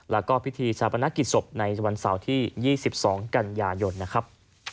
แล้วก็พิธีชาปนกิจศพในวันเสาร์ที่๒๒กันยายนนะครับ